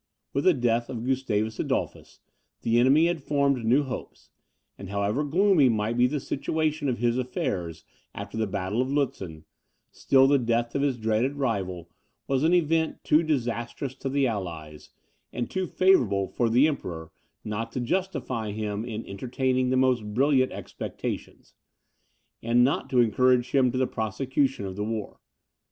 With the death of Gustavus Adolphus, the enemy had formed new hopes; and however gloomy might be the situation of his affairs after the battle of Lutzen, still the death of his dreaded rival was an event too disastrous to the allies, and too favourable for the Emperor, not to justify him in entertaining the most brilliant expectations, and not to encourage him to the prosecution of the war.